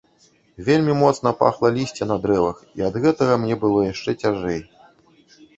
Вельмі моцна пахла лісце на дрэвах, і ад гэтага мне было яшчэ цяжэй.